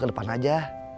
ke depan aja